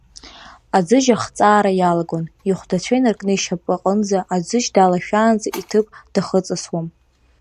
Аӡыжь ахҵаара иалагон, ихәдацәа инаркны ишьапы аҟынӡа аӡыжь далашәаанӡа иҭыԥ дахыҵысуам.